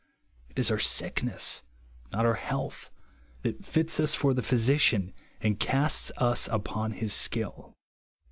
It is our sick ness, not oar health, that fits us for the physician, and casts us upon his skill.